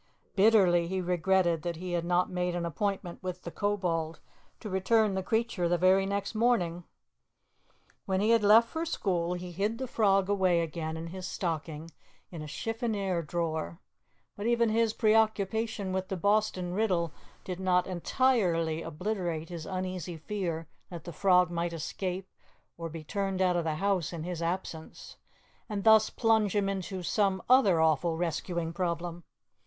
Bitterly he regretted that he had not made an appointment with the Kobold to return the creature the very next morning. When he left for school, he hid the frog away again in his stocking, in a chiffonier drawer, but even his preoccupation with the Boston riddle did not entirely obliterate his uneasy fear that the frog might escape or be turned out of the house in his absence, and thus plunge him into some other awful rescuing problem.